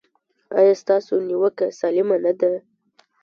ایا ستاسو نیوکه سالمه نه ده؟